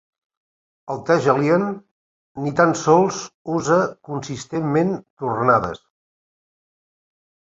El Tagelied ni tan sols usa consistentment tornades.